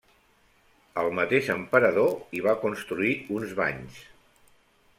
El mateix emperador hi va construir uns banys.